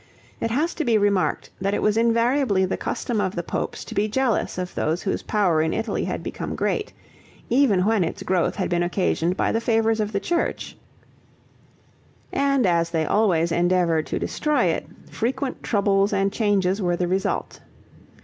It has to be remarked that it was invariably the custom of the popes to be jealous of those whose power in Italy had become great, even when its growth had been occasioned by the favors of the church; and as they always endeavored to destroy it, frequent troubles and changes were the result.